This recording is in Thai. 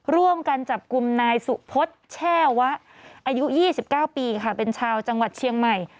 ร่วมกันจับกลุ่มนายสุพศแช่วะอายุ๒๙ปีค่ะเป็นชาวจังหวัดเชียงใหม่